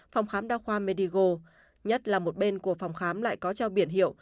phòng khám đa khoa medigo nhất là một bên của phòng khám lại có trao biển hiệu